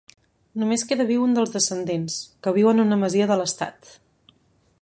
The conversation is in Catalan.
Només queda viu un dels descendents, que viu en una masia de l'estat.